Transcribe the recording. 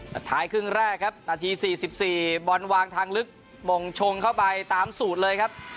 แต่ท้ายครึ่งแรกครับนาที๔๔บอลวางทางลึกมงชงเข้าไปตามสูตรเลยครับ